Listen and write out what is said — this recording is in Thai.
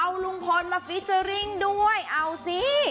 เอาลุงพลมาฟิเจอร์ริ่งด้วยเอาสิ